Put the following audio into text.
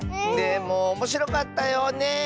でもおもしろかったよね。